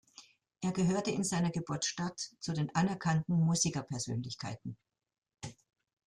Er gehörte in seiner Geburtsstadt zu den anerkannten Musikerpersönlichkeiten.